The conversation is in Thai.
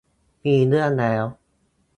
มีเรื่องแล้ว